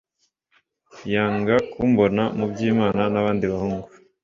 Yanga kumbona mbyinana nabandi bahungu